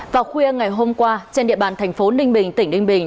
vào khuya ngày hôm qua trên địa bàn thành phố ninh bình tỉnh ninh bình